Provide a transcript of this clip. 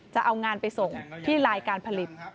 จะเอางานไปส่งที่ลายการผลิต